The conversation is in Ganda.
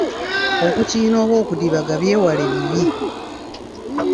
Okukiina oba okudibaga byewale bibi.